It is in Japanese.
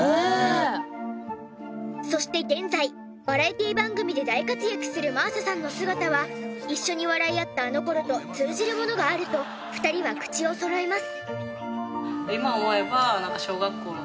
そして現在バラエティー番組で大活躍する真麻さんの姿は一緒に笑い合ったあの頃と通じるものがあると２人は口を揃えます。